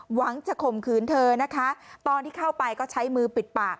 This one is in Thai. หวังจะข่มขืนเธอนะคะตอนที่เข้าไปก็ใช้มือปิดปาก